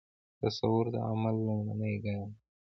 تصور د عمل لومړی ګام دی.